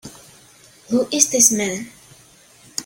Who is this man?